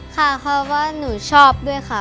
ค่ะเพราะว่าหนูชอบด้วยค่ะ